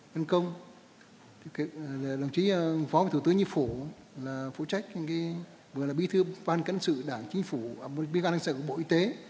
phân công phân công lòng trí phó thủ tướng nhân phủ là phụ trách vừa là bí thư ban cấn sự đảng chính phủ bí thư ban cấn sự bộ y tế